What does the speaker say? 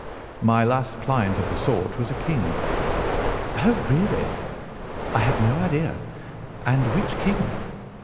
"My last client of the sort was a king." "Oh, really! I had no idea. And which king?"